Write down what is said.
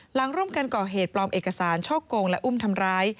หลังร่วมกันก่อเหตุปลอมเอกสารช่อกงและอุ้มทำร้าย